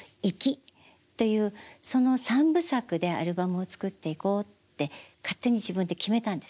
その３部作でアルバムを作っていこうって勝手に自分で決めたんです。